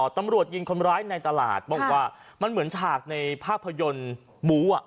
ตำรวจยิงคนร้ายในตลาดบอกว่ามันเหมือนฉากในภาพยนตร์บูอ่ะ